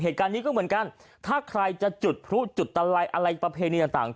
เหตุการณ์นี้ก็เหมือนกันถ้าใครจะจุดพลุจุดตะไลอะไรประเพณีต่าง